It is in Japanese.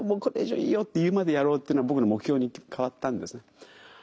これ以上いいよ」って言うまでやろうっていうのが僕の目標に変わったんですね。